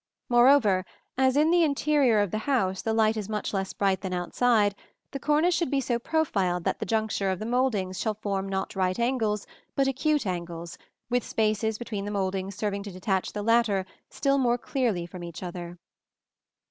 Moreover, as in the interior of the house the light is much less bright than outside, the cornice should be so profiled that the juncture of the mouldings shall form not right angles, but acute angles, with spaces between the mouldings serving to detach the latter still more clearly from each other."